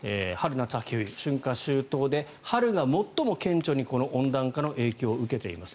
春夏秋冬で春が最も顕著にこの温暖化の影響を受けています。